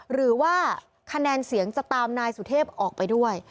หรือว่าคะแนนเสียงจะตามนายสุเทพออกไปด้วย